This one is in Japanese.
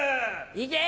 行け！